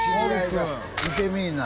見てみいな